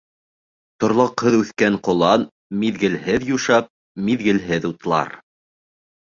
Торлаҡһыҙ үҫкән ҡолан миҙгелһеҙ юшап, миҙгелһеҙ утлар.